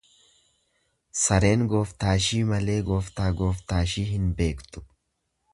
Sareen gooftaashii malee, gooftaa gooftaashii hin beektu.